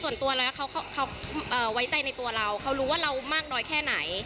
ส่วนตัวแล้วเขาไว้ใจในตัวเราเขารู้ว่าเรามากน้อยแค่ไหน